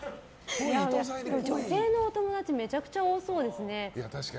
女性のお友達めちゃくちゃ多そうですね。